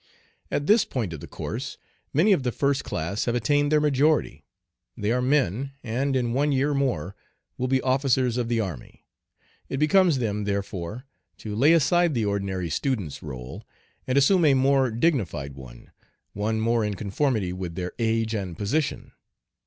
At this point of the course many of the first class have attained their majority. They are men, and in one year more will be officers of the army. It becomes them, therefore, to lay aside the ordinary student's rôle, and assume a more dignified one, one more in conformity with their age and position.